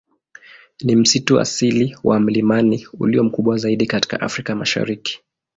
Ni msitu asili wa milimani ulio mkubwa zaidi katika Afrika Mashariki.